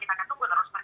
selamat siang pak